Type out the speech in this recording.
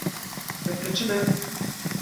Fikrên te çi ne?